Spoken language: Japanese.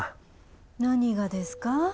何がですか？